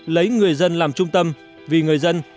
lấy người dân làm trung tâm vì người dân